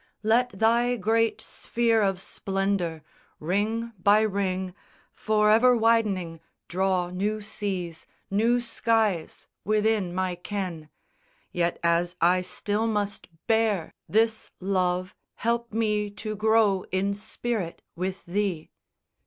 Let thy great sphere of splendour, ring by ring For ever widening, draw new seas, new skies, Within my ken; yet, as I still must bear This love, help me to grow in spirit with thee.